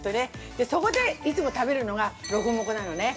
で、そこで、いつも食べるのがロコモコなのね。